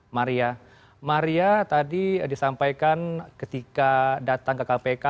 maria maria tadi disampaikan ketika datang ke kpk